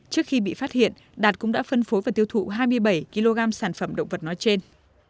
trước khi bị phát hiện đạt cũng đã phân phối và tiêu thụ hai mươi bảy kg sản phẩm động vật nói trên